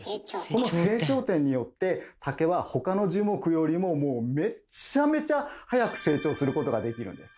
この成長点によって竹は他の樹木よりももうめっちゃめちゃ早く成長することができるんです。